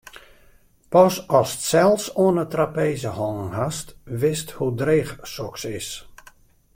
Pas ast sels oan 'e trapeze hongen hast, witst hoe dreech soks is.